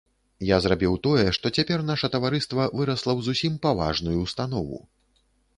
Я зрабіў тое, што цяпер наша таварыства вырасла ў зусім паважную ўстанову.